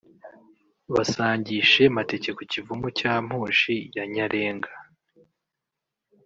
bagasangishe Mateke ku Kivumu cya Mpushi ya Nyarenga